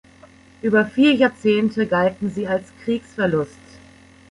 Über vier Jahrzehnte galten sie als Kriegsverlust.